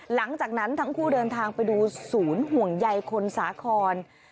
หลังจากนั้นทั้งคู่เดินทางไปดูศูนย์ห่วงใยคนสาคร